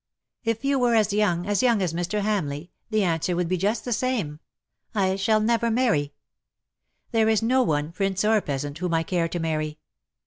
If you were as young — as young as Mr. Hamleigh — the answer would be just the same. I shall never marry. There is no one, prince or peasant, whom I care to marry.